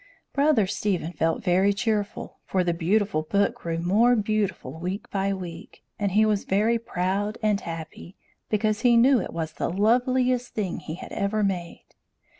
Brother Stephen felt very cheerful, for the beautiful book grew more beautiful week by week; and he was very proud and happy, because he knew it was the loveliest thing he had ever made.